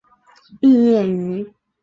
毕业于。